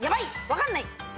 分かんない。